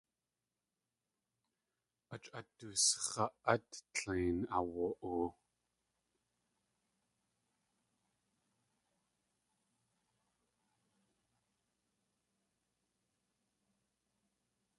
Ách at dusx̲a át tlein aawa.oo.